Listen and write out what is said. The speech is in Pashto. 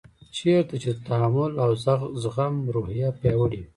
چېرته چې د تحمل او زغم روحیه پیاوړې وي.